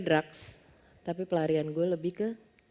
drugs tapi pelarian gue lebih ke